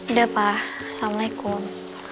udah pa assalamualaikum